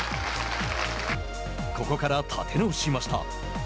ここから立て直しました。